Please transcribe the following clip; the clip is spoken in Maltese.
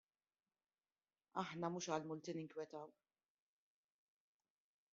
Aħna mhux għall-multi ninkwetaw.